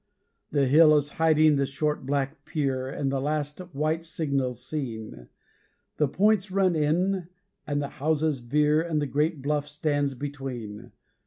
The hill is hiding the short black pier, As the last white signal's seen; The points run in, and the houses veer, And the great bluff stands between.